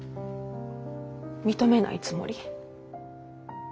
認めないつもり？